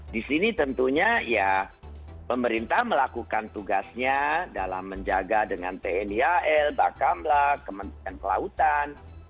di sini tentunya ya pemerintah melakukan tugasnya dalam menjaga dengan tni al bakamla kementerian kelautan